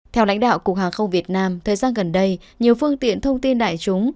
theo lãnh đạo cục hàng không việt nam thời gian gần đây nhiều phương tiện thông tin đại chúng